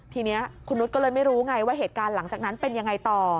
ทีนี้คุณนุษย์ก็เลยไม่รู้ไงว่าเหตุการณ์หลังจากนั้นเป็นยังไงต่อ